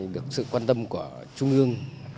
được sự quan tâm của trung ương